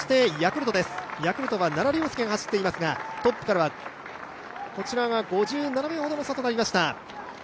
ヤクルトは奈良凌介が走っていますがトップからは５７秒ほどの差となりました。